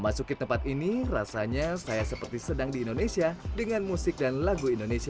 masuk ke tempat ini rasanya saya seperti sedang di indonesia dengan musik dan lagu indonesia